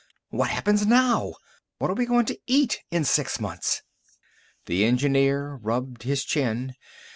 What happens now? What are we going to eat in six months?" The engineer rubbed his chin.